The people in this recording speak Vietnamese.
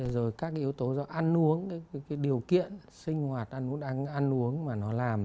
rồi các yếu tố do ăn uống điều kiện sinh hoạt ăn uống mà nó làm